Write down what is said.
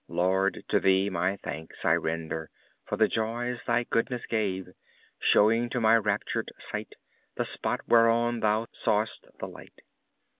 Lord! to thee my thanks I render For the joys thy goodness gave, Showing to my raptured sight The spot whereon thou saw'st the light.